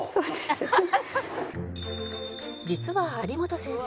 実は有元先生